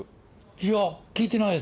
いや、聞いてないですね。